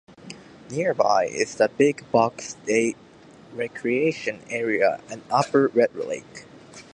Nearby is the Big Bog State Recreation Area and Upper Red Lake.